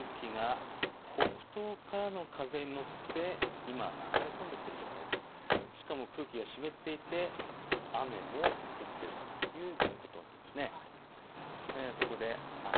ということは北側の秋の空気が北東からの風に乗って今、流れ込んできている状態でしてしかも空気が湿っていて雨も降っているということなんです。